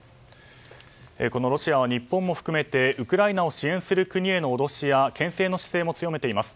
このロシアは日本も含めてウクライナを支援する国への脅しや牽制の姿勢も強めています。